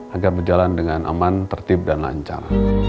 agar berjalan dengan aman tertib dan lancar